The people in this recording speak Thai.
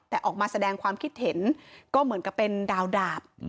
แต่ออกมาแสดงความคิดเห็นก็เหมือนกับเป็นดาวดาบ